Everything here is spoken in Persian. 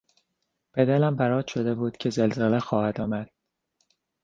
به دلم برات شده بود که زلزله خواهد آمد.